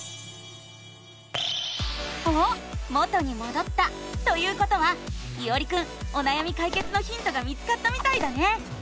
おっ元にもどったということはいおりくんおなやみかいけつのヒントが見つかったみたいだね！